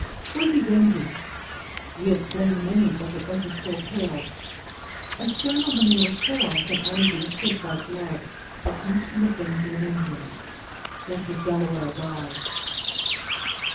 What is a Yengee? we have slain many, but the earth is still pale. A stain on the name of Huron can only be hid by blood that comes from the veins of an Indian. Let this Delaware die."